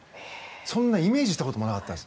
そんなことイメージしたこともなかったです。